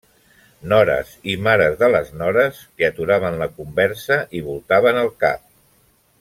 Nores i mares de les nores, que aturaven la conversa i voltaven el cap.